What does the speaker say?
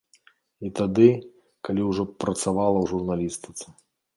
І тады, калі ўжо працавала ў журналістыцы.